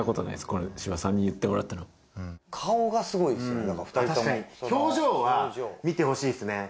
これ芝さんに言ってもらったの顔がすごいですよね